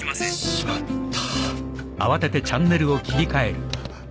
しまった。